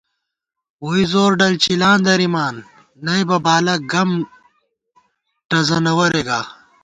ووئی زور ڈل چِلاں درِامان، نئیبہ بالہ گم ٹزَنہ ورے گا